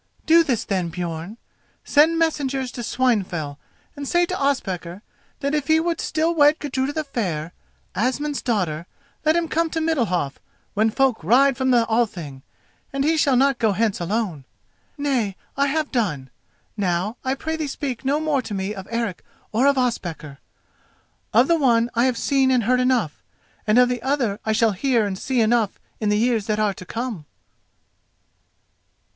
"Do this then, Björn. Send messengers to Swinefell and say to Ospakar that if he would still wed Gudruda the Fair, Asmund's daughter, let him come to Middalhof when folk ride from the Thing and he shall not go hence alone. Nay, I have done. Now, I pray thee speak no more to me of Eric or of Ospakar. Of the one I have seen and heard enough, and of the other I shall hear and see enough in the years that are to come."